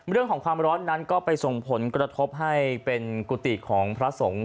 เรื่องของความร้อนนั้นก็ไปส่งผลกระทบให้เป็นกุฏิของพระสงฆ์